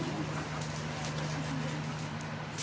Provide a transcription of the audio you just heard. ขอบคุณครับ